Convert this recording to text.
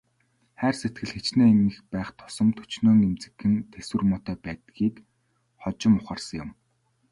Хайр сэтгэл хэчнээн их байх тусам төчнөөн эмзэгхэн, тэсвэр муутай байдгийг хожим ухаарсан юм.